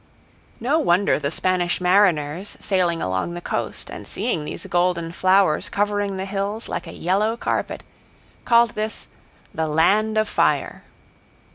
No wonder the Spanish mariners sailing along the coast and seeing these golden flowers covering the hills like a yellow carpet called this "The Land of Fire."